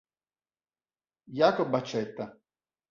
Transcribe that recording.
Jacob accetta.